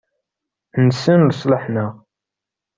Nessen leṣlaḥ-nneɣ.